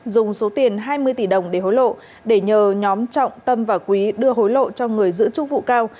dùng số tiền hai mươi tỷ đồng để hối lộ để nhờ nhóm trọng tâm và quý đưa hối lộ cho người giữ chức vụ cao